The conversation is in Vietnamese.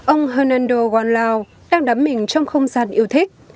ông hanando guanlao đang đắm mình trong không gian yêu thích